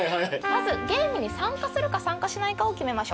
まずゲームに参加するか参加しないかを決めましょう。